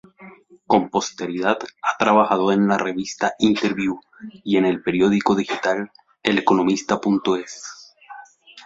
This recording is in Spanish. Con posterioridad, ha trabajado en la revista "Interviú" y en el periódico digital "Eleconomista.es".